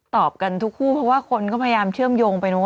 ตอบกันทุกคู่เพราะว่าคนก็พยายามเชื่อมโยงไปเนอะ